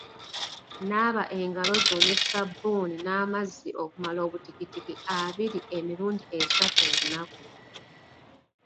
Naaba engalo zo ne sabbuuni n'amazzi okumala obutikitiki abiri emirundi esatu olunaku.